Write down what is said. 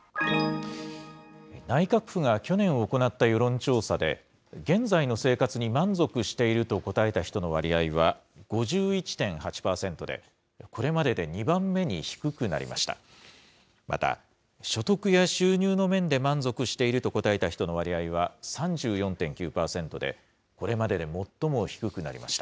内閣府が去年行った世論調査で、現在の生活に満足していると答えた人の割合は５１．８％で、これまでで２番目に低くなりました。